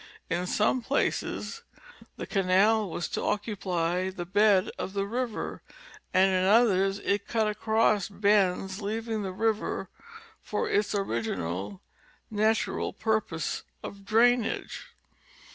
In some places the canal was to occupy the bed of the river and in others it cut across bends leaving the river for its original natural purpose of drainage.